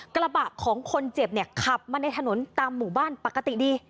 กระบะของคนเจ็บเนี่ยขับมาในถนนตามหมู่บ้านปกติดี